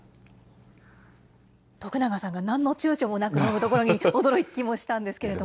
徳永さんがなんのちゅうちょもなく飲むところに驚きもしたんですけれども。